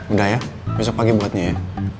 udah ya besok pagi buatnya ya